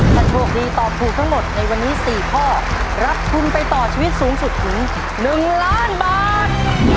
ถ้าโชคดีตอบถูกทั้งหมดในวันนี้๔ข้อรับทุนไปต่อชีวิตสูงสุดถึง๑ล้านบาท